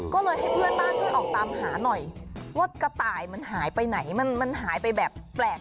ก็เลยให้เพื่อนบ้านช่วยออกตามหาหน่อยว่ากระต่ายมันหายไปไหนมันหายไปแบบแปลก